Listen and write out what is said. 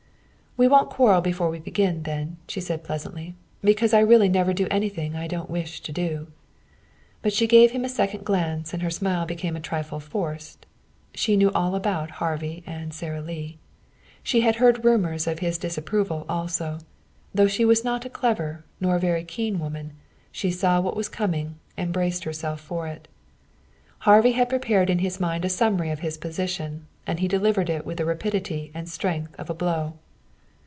"We won't quarrel before we begin, then," she said pleasantly. "Because I really never do anything I don't wish to do." But she gave him a second glance and her smile became a trifle forced. She knew all about Harvey and Sara Lee. She had heard rumors of his disapproval also. Though she was not a clever nor a very keen woman, she saw what was coming and braced herself for it. Harvey had prepared in his mind a summary of his position, and he delivered it with the rapidity and strength of a blow.